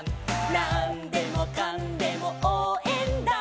「なんでもかんでもおうえんだ！！」